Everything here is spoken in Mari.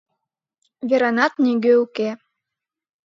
— Веранат нигӧ уке.